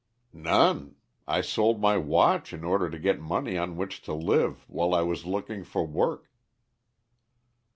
"None. I sold my watch in order to get money on which to live while I was looking for work."